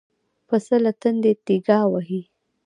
پسه له تندې تيګا وهي.